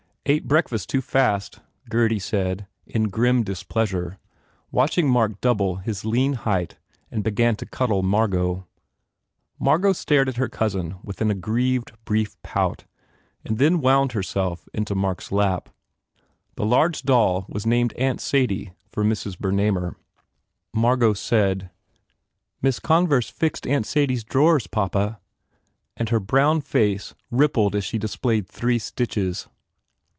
"Ate breakfast too fast," Gurdy said, in grim displeasure, watching Mark double his lean height and begin to cuddle Margot M argot stared at her cousin with an aggrieved, brief pout and then wound herself into Mark s lap. The large doll was named Aunt Sadie for Mrs. Bernamer. Margot said, "Miss Converse fixed Aunt Sadie s drawers, papa," and her brown face rippled as she displayed three stitches.